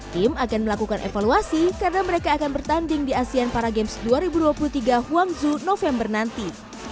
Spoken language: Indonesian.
tim akan melakukan evaluasi karena mereka akan bertanding di asean para games dua ribu dua puluh tiga huangzhou november nanti